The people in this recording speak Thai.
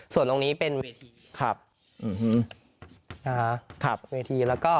ส่วนตรงนี้เป็นเวที